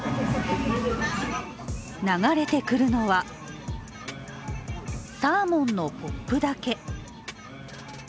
流れてくるのは、サーモンのＰＯＰだけ。